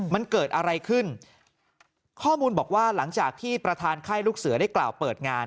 มันเกิดอะไรขึ้นข้อมูลบอกว่าหลังจากที่ประธานค่ายลูกเสือได้กล่าวเปิดงาน